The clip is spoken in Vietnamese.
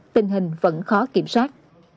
tình hình vẫn khó kiểm soát